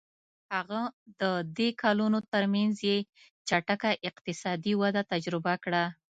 هغه د دې کلونو ترمنځ یې چټکه اقتصادي وده تجربه کړه.